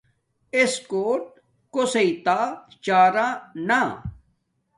اݵسکݸٹ کݸسݵئ تݳ چݳرہ نݳ.